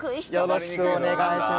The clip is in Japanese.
よろしくお願いします。